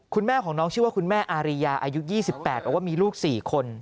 คุณแม่ของน้องชื่อว่าคุณแม่อาริยาอายุ๒๘บอกว่ามีลูก๔คน